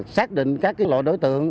xác định các loại đối tượng